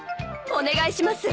お願いします。